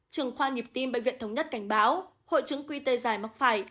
trường khoa nhịp tim bệnh viện thống nhất cảnh báo hộ trứng quy tê dài mắc phải